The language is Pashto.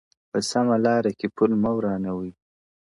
په سمه لاره کي پل مه ورانوی-